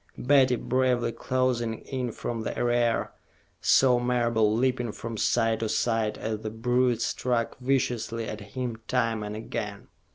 Betty, bravely closing in from the rear, saw Marable leaping from side to side as the brute struck viciously at him time and again.